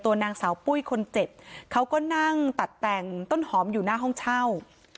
นางสาวปุ้ยคนเจ็บเขาก็นั่งตัดแต่งต้นหอมอยู่หน้าห้องเช่า